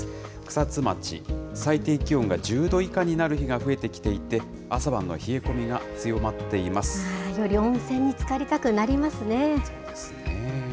草津町、最低気温が１０度以下になる日が増えてきていて、朝晩のより温泉につかりたくなりまそうですね。